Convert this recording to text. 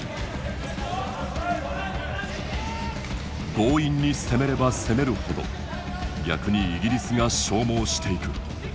強引に攻めれば攻めるほど逆にイギリスが消耗していく。